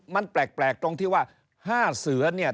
มันแปลกตรงที่ว่า๕เสือเนี่ย